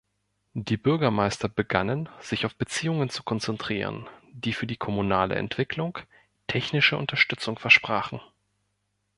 Die Bürgermeister begannen, sich auf Beziehungen zu konzentrieren, die für die kommunale Entwicklung technische Unterstützung versprachen.